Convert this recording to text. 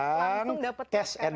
langsung dapet sholat sekarang